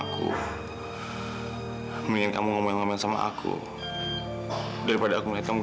kan harus kamu marah